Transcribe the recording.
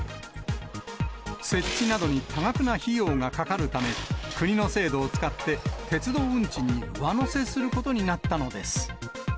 設置などに多額な費用がかかるため、国の制度を使って鉄道運賃に上乗せすることになったのです。